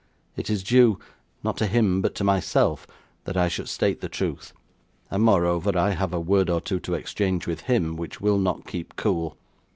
It is due not to him, but to myself that I should state the truth; and moreover, I have a word or two to exchange with him, which will not keep cool.